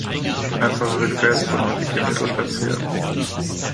Einfachere Gefäße wurden häufig geometrisch verziert.